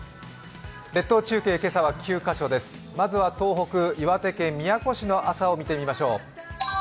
列島中継、今朝は９カ所ですまずは東北、岩手県宮古市の朝を見てみましょう。